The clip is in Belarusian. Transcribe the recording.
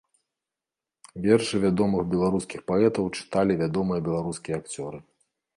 Вершы вядомых беларускіх паэтаў чыталі вядомыя беларускія акцёры.